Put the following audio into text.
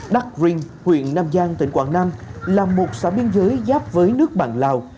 đắc rinh huyện nam giang tỉnh quảng nam là một xã biên giới giáp với nước bạn lào